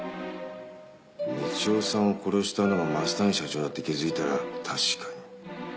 道夫さんを殺したのは増谷社長だって気付いたら確かに。